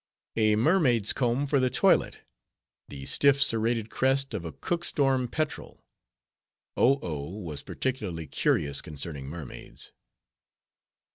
A Mermaid's Comb for the toilet. The stiff serrated crest of a Cook Storm petrel (Oh Oh was particularly curious concerning Mermaids).